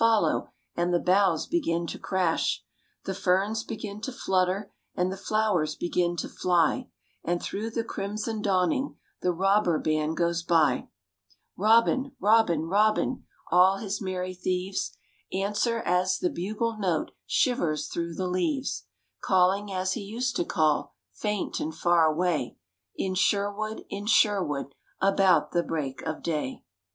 Follow! and the boughs begin to crash; The ferns begin to flutter and the flowers begin to fly; And through the crimson dawning the robber band goes by Robin! Robin! Robin! All his merry thieves Answer as the bugle note shivers through the leaves: Calling as he used to call, faint and far away, In Sherwood, in Sherwood, about the break of day.